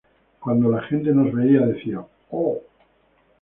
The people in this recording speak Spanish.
Cuando la gente nos veía decía: '¡Oh!